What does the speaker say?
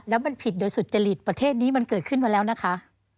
แล้วมันผิดโดยสุจริตประเทศนี้มันเกิดขึ้นมาแล้วนะคะ